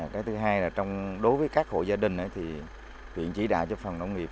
cái thứ hai là đối với các hộ gia đình thì huyện chỉ đạo cho phòng nông nghiệp